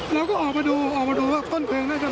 เราก็ออกมาดูออกมาดูก็แทนเวนแล้วจะมา